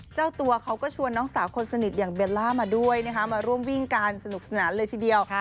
เจ้าตัวเขาก็ชวนน้องสาวคนสนิทอย่างเบลล่ามาด้วยนะคะมาร่วมวิ่งกันสนุกสนานเลยทีเดียว